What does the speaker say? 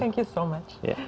terima kasih banyak